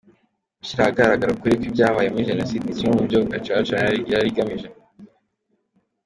Gushyira ahagaragara ukuri kw’ibyabaye muri Jenoside ni kimwe mu byo Gacaca yari igamije.